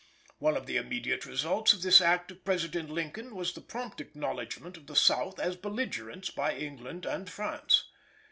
One of the immediate results of this act of President Lincoln was the prompt acknowledgment of the South as belligerents by England and France.